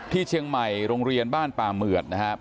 ที่เชียงใหม่โรงเรียนบ้านป่าเหมือดนะครับ